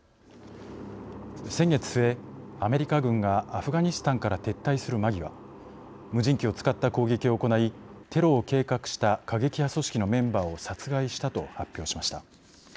先月末アメリカ軍がアフガニスタンから撤退する間際無人機を使った攻撃を行いテロを計画した過激派組織のメンバーを殺害したと発表しました。